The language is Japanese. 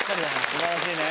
すばらしいね